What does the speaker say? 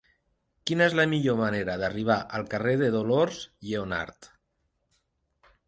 Quina és la millor manera d'arribar al carrer de Dolors Lleonart?